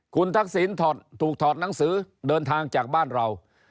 คุณทักษิณถูกถอดหนังสือเดินทางจากบ้านเรา